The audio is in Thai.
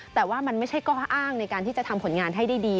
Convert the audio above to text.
แต่ว่ามันไม่ใช่ข้ออ้างในการที่จะทำผลงานให้ได้ดี